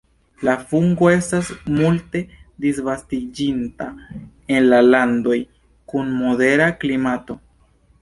La fungo estas multe disvastiĝinta en landoj kun modera klimato.